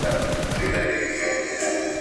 فرشتې زرغونوي سوځلي کلي.